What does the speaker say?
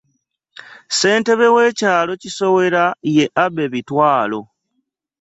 Ssentebe w'ekyalo Kisowera, ye Abbey Bitwaalo